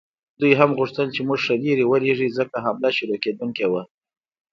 دوی هم غوښتل چې موږ ښه لرې ولیږي، ځکه حمله شروع کېدونکې وه.